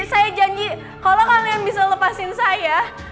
saya janji kalau kalian bisa lepasin saya